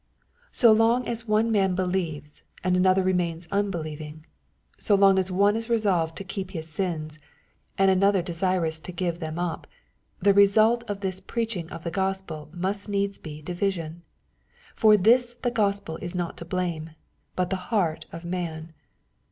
So long as one man believes^ and another remains unbelieving — so long as one is resolved to keep his sins, and another desirous to give them up, the result of the preaching of the Gospel must needs be division. Foi this the Gospel is not to blame, but the heart of man.